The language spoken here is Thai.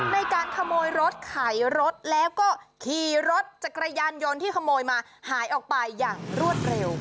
ในการขโมยรถไขรถแล้วก็ขี่รถจักรยานยนต์ที่ขโมยมาหายออกไปอย่างรวดเร็ว